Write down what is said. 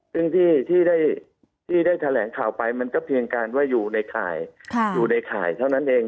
ซึ่งที่ได้แถลงข่าวไปมันก็เพียงกลางอยู่ในไข่เท่านั้นเอง